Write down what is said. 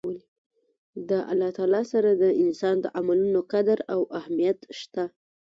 د الله تعالی سره د انسان د عملونو قدر او اهميت شته